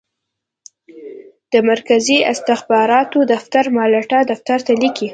د مرکزي استخباراتو دفتر مالټا دفتر ته لیکي.